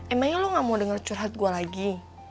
emangnya lo gak mau dengar curhat gue lagi